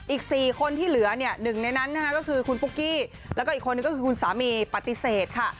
อีก๔คนที่เหลือเนี่ยหนึ่งในนั้นนะคะก็คือคุณปุ๊กกี้แล้วก็อีกคนนึงก็คือคุณสามีปฏิเสธค่ะ